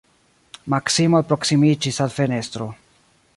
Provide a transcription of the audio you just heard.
Maksimo alproksimiĝis al fenestro.